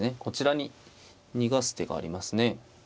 こちらに逃がす手がありますね。